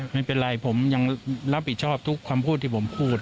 ไม่เป็นไรผมยังรับผิดชอบทุกคำพูดที่ผมพูด